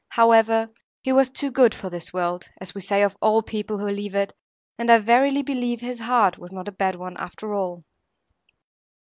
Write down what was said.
However, he was too good for this world (as we say of all people who leave it); and I verily believe his heart was not a bad one, after all.